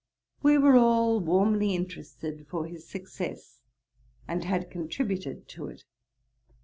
We were all warmly interested for his success, and had contributed to it.